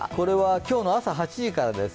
今日の朝８時からです。